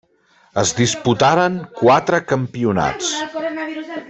Es disputaren quatre campionats.